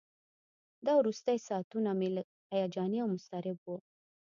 دا وروستي ساعتونه مې لږ هیجاني او مضطرب وو.